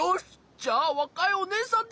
じゃあわかいおねえさんで！